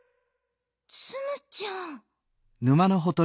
ツムちゃん。